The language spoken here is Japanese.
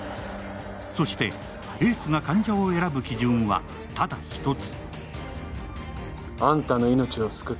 そして、エースが患者を選ぶ基準はただ１つ。